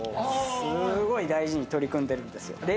すごく大事に取り組んでいるんですよ。